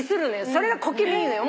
それが小気味いいのよ。